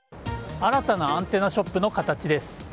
新たなアンテナショップの形です。